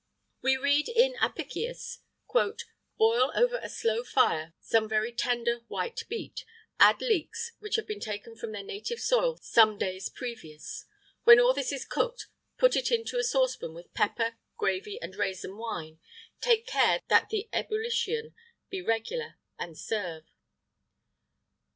We read in Apicius: "Boil, over a slow fire, some very tender white beet; add leeks, which have been taken from their native soil some days previous; when all this is cooked put it into a saucepan with pepper, gravy, and raisin wine; take care that the ebullition be regular, and serve.